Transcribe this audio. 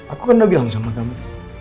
aku kan udah bilang sama kamu